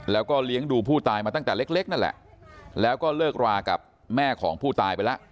แล้วก็เลี้ยงดูผู้ตายมาตั้งแต่เล็กนั่นแหละแล้วก็เลิกรากับแม่ของผู้ตายไปแล้ว